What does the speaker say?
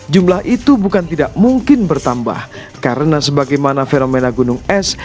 jumlah itu bukan tidak mungkin bertambah karena sebagaimana fenomena gunung es